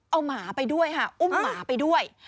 เอาหมาไปด้วยค่ะอุ้มหมาไปด้วย